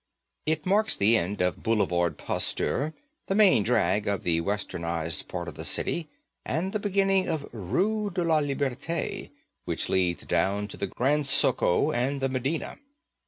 It marks the end of Boulevard Pasteur, the main drag of the westernized part of the city, and the beginning of Rue de la Liberté, which leads down to the Grand Socco and the medina.